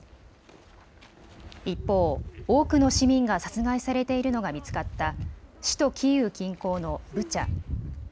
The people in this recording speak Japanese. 一方、多くの市民が殺害されているのが見つかった首都キーウ近郊のブチャ。